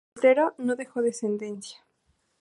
Soltero, no dejó descendencia.